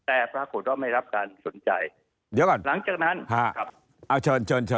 แต่ปรากฏว่าไม่รับการสนใจ